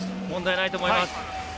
問題ないと思います。